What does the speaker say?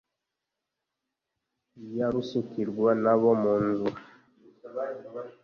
Iya rusukirwa n'abo mu nzu